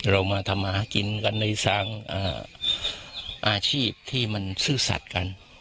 เรามาทำหากินกันในอาชีพที่มันซื่อสัตว์กัน